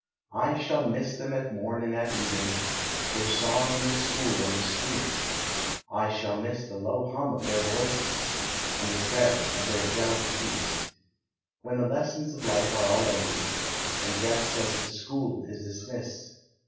I shall miss them at morn and at even, Their song in the school and the street; I shall miss the low hum of their voices, And the tread of their delicate feet. When the lessons of life are all ended, And death says, "The school is dismissed!"